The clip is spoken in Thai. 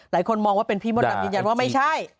หลายคนมองว่าเป็นพี่มดดำยืนยันว่าไม่ใช่